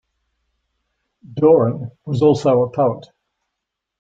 Doran was also a poet.